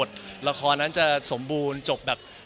แต่ว่าเราสองคนเห็นตรงกันว่าก็คืออาจจะเรียบง่าย